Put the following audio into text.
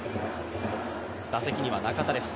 打席には中田です。